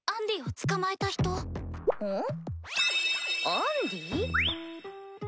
「アンディ」？